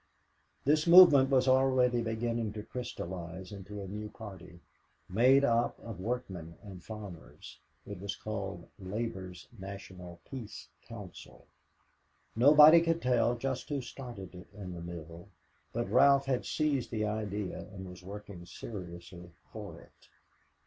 This movement was already beginning to crystallize into a new party, made up of workmen and farmers. It was called Labor's National Peace Council. Nobody could tell just who started it in the mill, but Ralph had seized the idea and was working seriously for it.